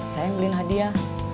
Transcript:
saya yang beliin hadiah